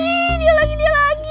ih dia lagi dia lagi